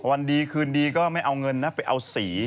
วันดีคืนดีก็ไม่เอาเงินนะ